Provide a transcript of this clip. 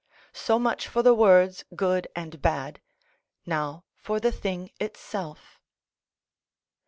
So much for the words good and bad; now for the thing itself.